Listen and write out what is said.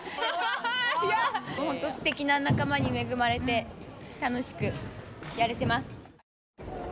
すてきな仲間に恵まれて楽しくやれてます。